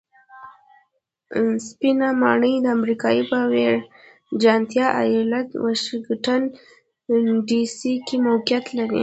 سپینه ماڼۍ د امریکا په ویرجینیا ایالت واشنګټن ډي سي کې موقیعت لري.